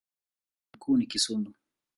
Mji mkuu ni Kisumu.